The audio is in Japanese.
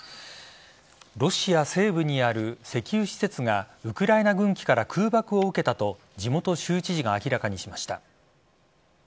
ロシア西部にある石油施設がウクライナ軍機から空爆を受けたと地元州知事が明らかにしました。